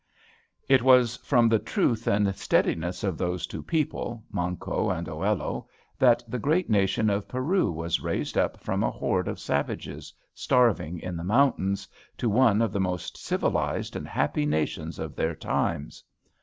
It was from the truth and steadiness of those two people, Manco and Oello, that the great nation of Peru was raised up from a horde of savages, starving in the mountains, to one of the most civilized and happy nations of their times.